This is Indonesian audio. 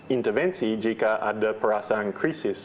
intervensi jika ada perasaan krisis